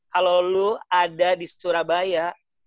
kalau lo ada di surabaya